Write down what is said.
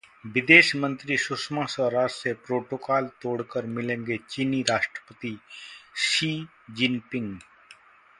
विदेश मंत्री सुषमा स्वराज से प्रोटोकॉल तोड़कर मिलेंगे चीनी राष्ट्रपति शी जिनपिंग